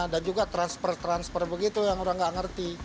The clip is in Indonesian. dan juga transfer transfer begitu yang orang nggak ngerti